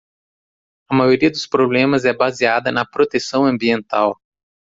A maioria dos problemas é baseada na proteção ambiental.